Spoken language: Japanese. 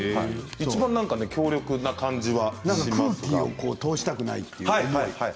いちばん強力な感じが空気を通したくないという。